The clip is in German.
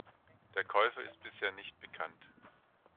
Der Käufer ist bisher nicht bekannt.